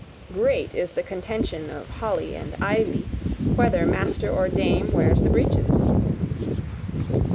Great is the contention of Holly and Ivy, whether master or dame wears the breeches.